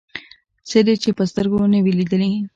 څه دې چې په سترګو نه وي لیدلي.